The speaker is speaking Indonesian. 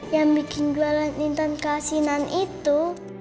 yang bikin jualan intan kasinan itu